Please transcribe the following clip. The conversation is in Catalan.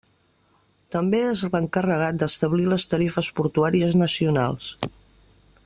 També és l'encarregat d'establir les tarifes portuàries nacionals.